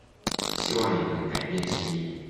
希望你能改變心意